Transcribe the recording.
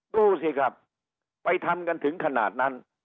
ดูสิครับไปทำกันถึงขนาดนั้น